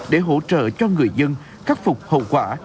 để hỗ trợ cho người dân khắc phục hậu quả